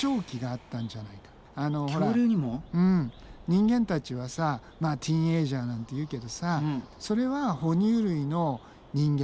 人間たちはさまあティーンエージャーなんて言うけどさそれは哺乳類の人間